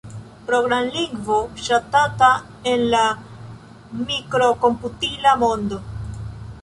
Programlingvo ŝatata en la mikrokomputila mondo.